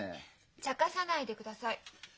茶化さないでください。